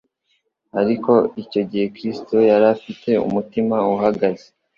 ariko icyo gihe cyo Kristo yari afite umutima uhagaze